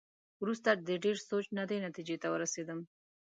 وروسته د ډېر سوچ نه دې نتېجې ته ورسېدم.